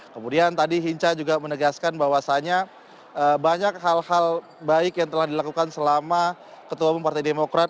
kemudian tadi hinca juga menegaskan bahwasannya banyak hal hal baik yang telah dilakukan selama ketua umum partai demokrat